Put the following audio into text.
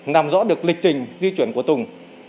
làm rõ được lịch trình di chuyển của tùng